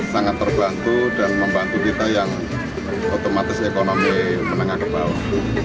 sangat terbantu dan membantu kita yang otomatis ekonomi menengah ke bawah